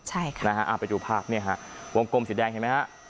ใช่ค่ะนะฮะเอาไปดูภาพเนี่ยฮะวงกลมสีแดงเห็นไหมฮะ